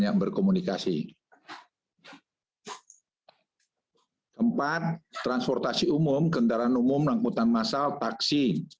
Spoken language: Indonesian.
keempat transportasi umum kendaraan umum langkutan massal taksi